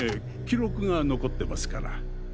記録が残ってますから。